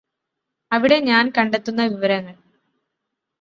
അവിടെ ഞാന് കണ്ടെത്തുന്ന വിവരങ്ങള്